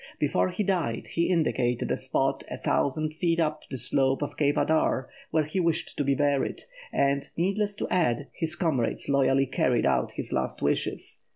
Before he died, he indicated a spot a thousand feet up the slope of Cape Adare where he wished to be buried, and, needless to add, his comrades loyally carried out his last wishes.